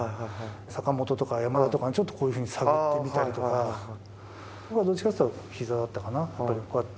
坂本とか山田とか、ちょっとこういうふうに探ってみたりとか、僕はどっちかっていったら、ひざだったかな、やっぱり。